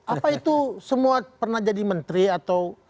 apa itu semua pernah jadi menteri atau